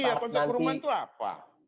iya konsep kerumunan itu apa